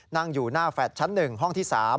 นั่งอยู่หน้าแฟลตชั้น๑ห้องที่๓